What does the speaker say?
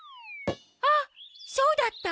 あっそうだった！